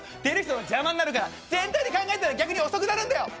「出る人の邪魔になるから全体で考えたら逆に遅くなるんだ」